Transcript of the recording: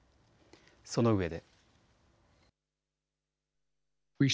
そのうえで。